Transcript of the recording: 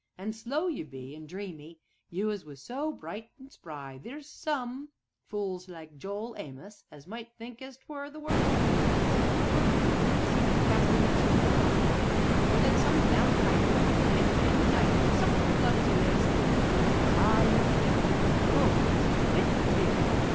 An' slow you be, an' dreamy you as was so bright an' spry; theer's some fools, like Joel Amos, as might think as 'twere the work o' ghostes, or demons, a castin' their spells on ye, or that some vampire 'ad bit ye in the night, an' sucked your blood as ye lay asleep, but I know different you 'm just bewitched, Peter!"